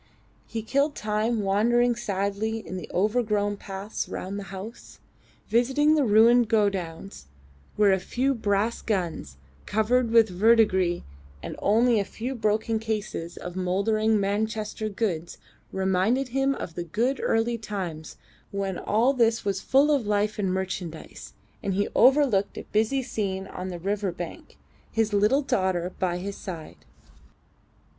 He killed time wandering sadly in the overgrown paths round the house, visiting the ruined godowns where a few brass guns covered with verdigris and only a few broken cases of mouldering Manchester goods reminded him of the good early times when all this was full of life and merchandise, and he overlooked a busy scene on the river bank, his little daughter by his side.